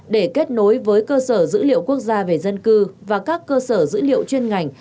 để kết nối với cơ sở dữ liệu quốc gia về dân cư và các cơ sở dữ liệu chuyên ngành